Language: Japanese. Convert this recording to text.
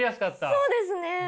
そうですね！